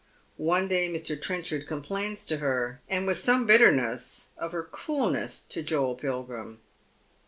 One day Mr. Trenchard complains to her, and with some bitter ness, of her coolness to Joel Pilgrim.